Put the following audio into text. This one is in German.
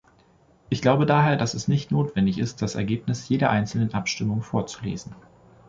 Ich glaube daher, dass es nicht notwendig ist, das Ergebnis jeder einzelnen Abstimmung vorzulesen.